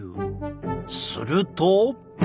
すると。